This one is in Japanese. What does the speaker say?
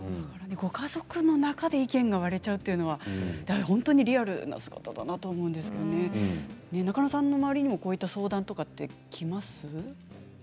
ご家族の中で意見が割れてしまうというのは、本当にリアルだなと思うんですけれども中野さんのところにもこういった相談はきますか？